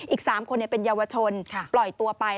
อีก๓คนเป็นเยาวชนปล่อยตัวไป